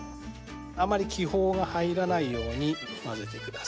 あんまり気泡が入らないように混ぜてください。